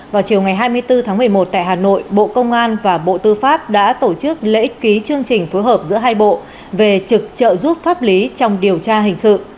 vào chiều ngày hai mươi bốn tháng một mươi một tại hà nội bộ công an và bộ tư pháp đã tổ chức lễ ký chương trình phối hợp giữa hai bộ về trực trợ giúp pháp lý trong điều tra hình sự